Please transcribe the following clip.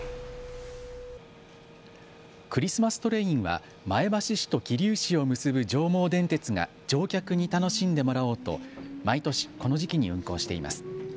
クリスマストレインは前橋市と桐生市を結ぶ上毛電鉄が乗客に楽しんでもらおうと毎年この時期に運行しています。